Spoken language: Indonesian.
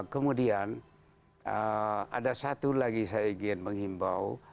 kemudian ada satu lagi saya ingin menghimbau